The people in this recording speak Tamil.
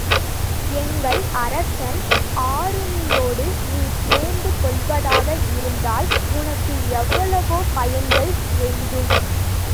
எங்கள் அரசன் ஆருணியோடு நீ சேர்ந்து கொள்வதாக இருந்தால், உனக்கு எவ்வளவோ பயன்கள் எய்தும்!